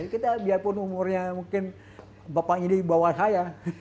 kita biarpun umurnya mungkin bapaknya dibawah saya